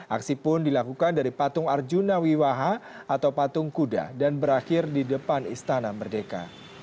aksi pun dilakukan dari patung arjuna wiwaha atau patung kuda dan berakhir di depan istana merdeka